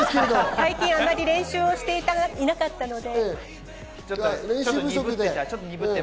最近練習していなかったので。